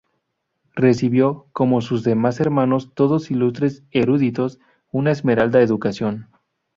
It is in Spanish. Recibió, como sus demás hermanos, todos ilustres eruditos, una esmerada educación.